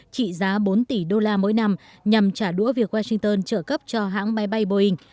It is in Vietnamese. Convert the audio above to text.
trị giá bốn tỷ đô la mỗi năm nhằm trả đũa việc washington trợ cấp cho hãng máy bay boeing